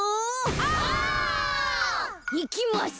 オ！いきます！